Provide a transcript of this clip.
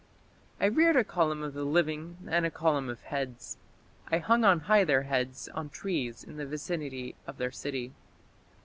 I reared a column of the living and a column of heads. I hung on high their heads on trees in the vicinity of their city.